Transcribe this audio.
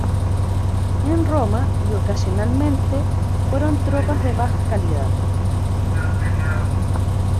En Roma y ocasionalmente fueron tropas de baja calidad.